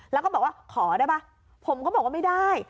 แล้วก็บอกว่าขอได้ป่ะผมก็บอกว่าไม่ได้